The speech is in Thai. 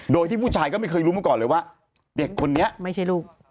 โดยที่ผู้ชายก็ไม่เคยรู้มาก่อนเลยว่าเด็กคนนี้ไม่ใช่ลูก